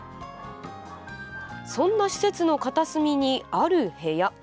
そんな施設の片隅に、ある部屋。